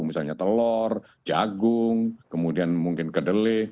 misalnya telur jagung kemudian mungkin kedelai